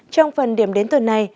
trong phần điểm đến tuần này